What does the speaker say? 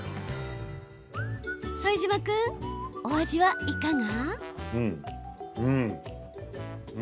副島君、お味はいかが？